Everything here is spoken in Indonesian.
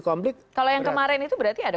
konflik kalau yang kemarin itu berarti ada